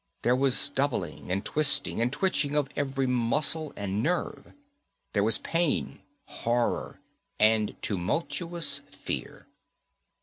There was doubling and twisting and twitching of every muscle and nerve. There was pain, horror and tumultuous fear.